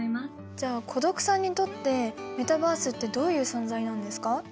じゃあこどくさんにとってメタバースってどういう存在なんですか？